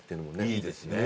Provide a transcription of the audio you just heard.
いいですね